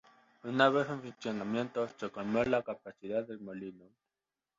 Una vez en funcionamiento, se colmó la capacidad del molino.